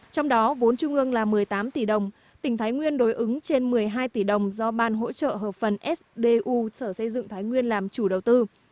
trong đó vốn trung ương là một mươi tám tỷ đồng tỉnh thái nguyên đối ứng trên một mươi hai tỷ đồng do ban hỗ trợ hợp phần sdu sở xây dựng thái nguyên làm chủ đầu tư